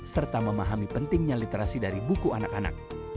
serta memahami pentingnya literasi dari buku anak anak